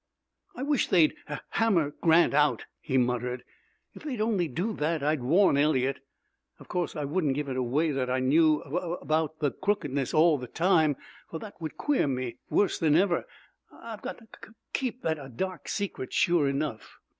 "I wish they'd ha hammer Grant out," he muttered. "If they'd only do that, I'd warn Eliot. Of course I wouldn't give it away that I knew abub bout the crookedness all the time, for that would queer me worse than ever. I've got to kuk keep that a dark secret, sure enough."